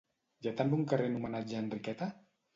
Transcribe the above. Hi ha també un carrer en homenatge a Enriqueta?